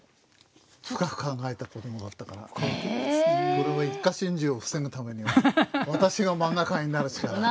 これも一家心中を防ぐためには私がマンガ家になるしかない。